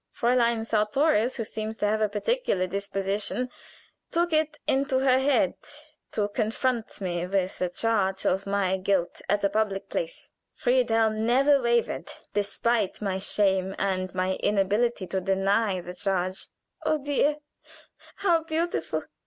Fräulein Sartorius, who seems to have a peculiar disposition, took it into her head to confront me with a charge of my guilt at a public place. Friedhelm never wavered, despite my shame and my inability to deny the charge." "Oh, dear, how beautiful!"